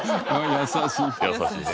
優しいね。